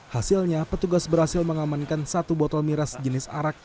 hasilnya petugas berhasil mengamankan satu botol miras jenis arak